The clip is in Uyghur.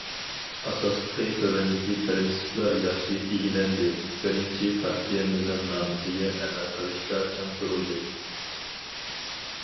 ئاساسلىقى تۆۋەندىكى پىرىنسىپلار ياخشى ئىگىلەندى: بىرىنچى، پارتىيە نىزامنامىسىگە ئەمەل قىلىشتا چىڭ تۇرۇلدى.